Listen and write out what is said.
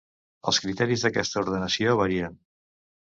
Els criteris d'aquesta ordenació varien.